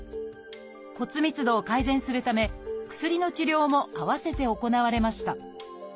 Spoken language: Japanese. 骨密度を改善するため薬の治療も併せて行われました。